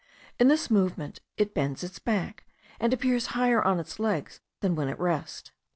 In this movement it bends its back, and appears higher on its legs than when at rest.